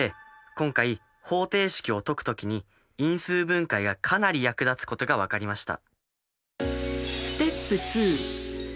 今回方程式を解くときに因数分解がかなり役立つことが分かりました。